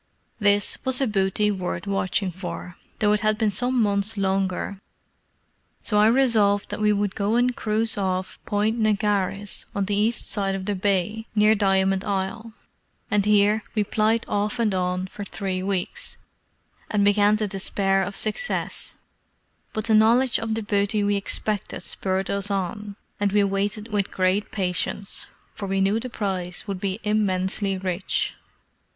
This was a booty worth watching for, though it had been some months longer; so I resolved that we would go and cruise off Point Negaris, on the east side of the bay, near Diamond Isle; and here we plied off and on for three weeks, and began to despair of success; but the knowledge of the booty we expected spurred us on, and we waited with great patience, for we knew the prize would be immensely rich.